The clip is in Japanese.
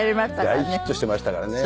大ヒットしていましたからね。